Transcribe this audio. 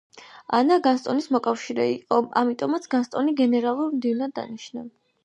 ანა გასტონის მოკავშირე იყო, ამიტომაც გასტონი გენერალურ მდივნად დანიშნა.